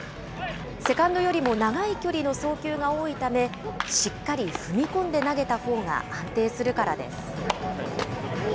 セカンドよりも長い距離の送球が多いため、しっかり踏み込んで投げたほうが安定するからです。